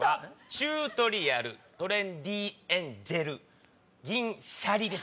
チュートリアルトレンディエンジェル銀シャリ。